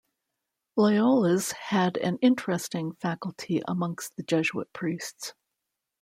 Loyola's had an interesting faculty amongst the Jesuit Priests.